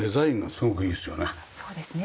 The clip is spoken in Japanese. そうですね。